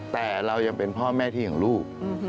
แต่เรายังเป็นพ่อแม่ที่ของลูก